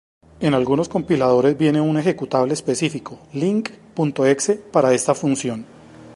En algunos compiladores viene un ejecutable específico link.exe para esta función.